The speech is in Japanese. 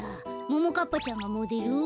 ももかっぱちゃんがモデル？